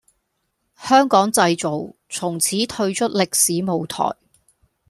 香港製造從此退出歷史舞台